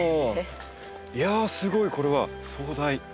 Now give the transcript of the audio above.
いやあすごいこれは壮大。